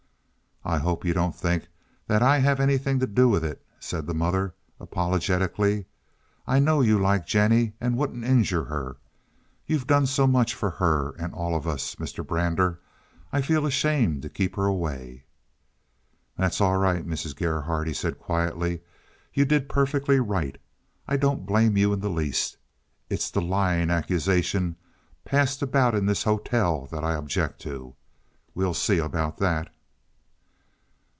"I hope you don't think that I have anything to do with it," said the mother apologetically. "I know you like Jennie and wouldn't injure her. You've done so much for her and all of us, Mr. Brander, I feel ashamed to keep her away." "That's all right, Mrs. Gerhardt," he said quietly. "You did perfectly right. I don't blame you in the least. It is the lying accusation passed about in this hotel that I object to. We'll see about that."